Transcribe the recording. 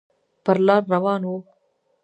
پر لار روان و.